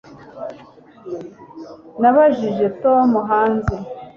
Nabajije Tom hanze